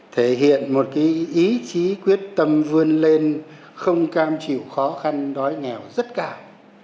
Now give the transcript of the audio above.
thể hiện một ý chí quyết tâm vươn lên không cam chịu khó khăn đói nghèo rất cao